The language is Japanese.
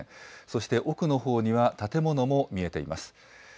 そして奥のほうには建物も見えています。